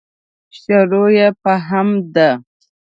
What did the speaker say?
شروع یې په حمد ده.